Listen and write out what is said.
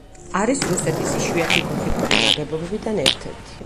არის რუსეთის იშვიათი გოთიკური ნაგებობებიდან ერთ-ერთი.